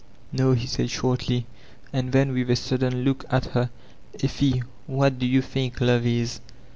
"No/' he said shortly, and then with a sudden look at her, "Effie, what do you think love it?"